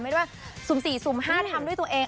ไม่ได้ว่าสุ่ม๔สุ่ม๕ทำด้วยตัวเอง